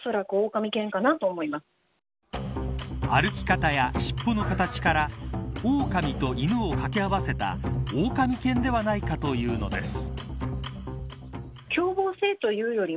歩き方や、しっぽの形からオオカミと犬を掛け合わせたオオカミ犬ではないかというのです。